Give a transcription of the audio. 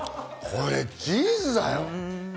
これチーズだよ。